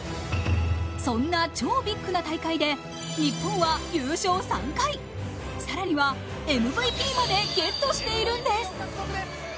そんな超ビッグな大会で日本は優勝３回、更にはＭＶＰまでゲットしているんです。